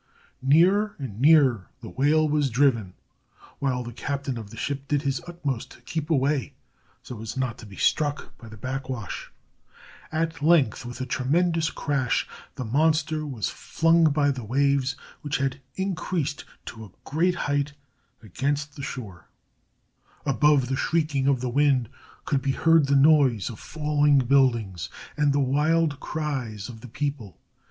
Nearer and nearer the whale was driven, while the captain of the ship did his utmost to keep away so as not to be struck by the backwash. At length, with a tremendous crash, the monster was flung by the waves, which had increased to a great height, against the shore. Above the shrieking of the wind could be heard the noise of falling buildings and the wild cries of the people.